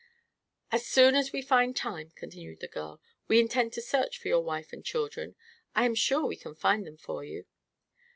"As soon as we find time," continued the girl, "we intend to search for your wife and children. I am sure we can find them for you."